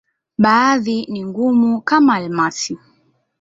Baadhi ni ngumu, kama almasi.